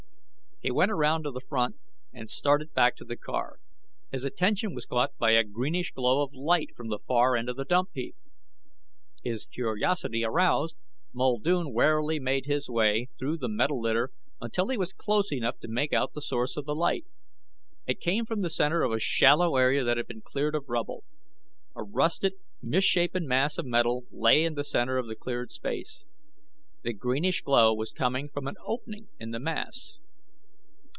He went around to the front and started back to the car. His attention was caught by a greenish glow of light from the far end of the dump heap. His curiosity aroused, Muldoon warily made his way through the metal litter until he was close enough to make out the source of the light. It came from the center of a shallow area that had been cleared of rubble. A rusted misshapen mass of metal lay in the center of the cleared space. The greenish glow was coming from an opening in the mass.